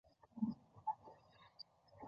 端木仁人。